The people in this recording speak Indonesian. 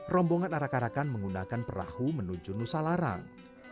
rombongan arak arakan menggunakan perahu menuju nusa larang